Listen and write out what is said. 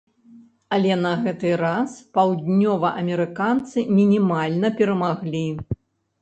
Але на гэты раз паўднёваамерыканцы мінімальна перамаглі.